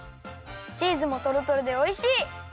チーズもとろとろでおいしい！